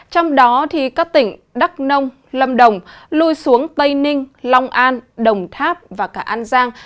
trong đó các tỉnh đắk nông lâm đồng lui xuống tây ninh long an đồng tháp và cả an giang